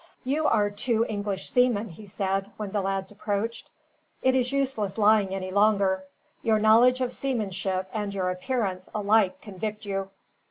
"You are two English seamen," he said, when the lads approached. "It is useless lying any longer. Your knowledge of seamanship, and your appearance, alike convict you."